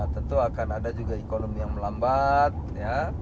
tentu akan ada juga ekonomi yang melambat ya